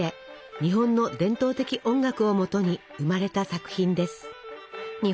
日本の伝統的音楽をもとに生まれた作品です。